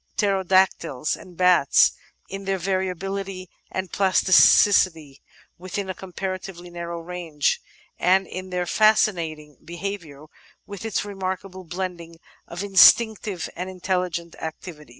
Pterodactyls, and bats; in their variability and plasticity within a comparatively narrow range; and in their fascinating behaviour with its remarkable blending of instinctive and intelligent activities.